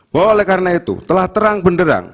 bahwa oleh karena itu telah terang benderang